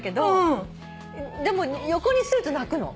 でも横にすると泣くの。